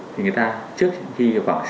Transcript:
thì người ta trước khi khoảng